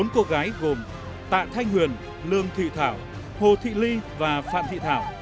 bốn cô gái gồm tạ thanh huyền lương thị thảo hồ thị ly và phạm thị thảo